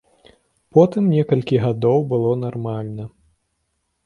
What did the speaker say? Потым некалькі гадоў было нармальна.